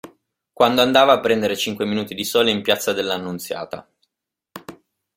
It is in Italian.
Quando andava a prendere cinque minuti di sole in Piazza dell'Annunziata.